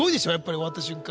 終わった瞬間。